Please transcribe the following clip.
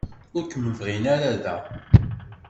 Ur kem-bɣin ara da.